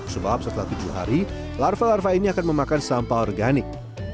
sebab setelah tujuh hari larva larva ini akan memakan sampah organik